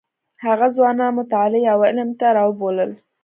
هغه ځوانان مطالعې او علم ته راوبلل.